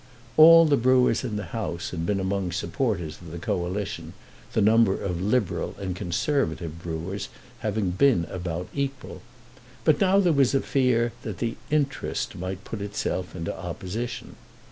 All the Brewers in the House had been among the supporters of the Coalition, the number of Liberal and Conservative Brewers having been about equal. But now there was a fear that the "interest" might put itself into opposition.